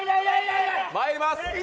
まいります。